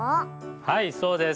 はいそうです。